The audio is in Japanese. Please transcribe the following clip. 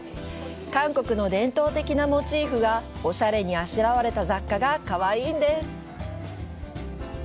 韓国の伝統的なモチーフがオシャレにあしらわれた雑貨がかわいいんです。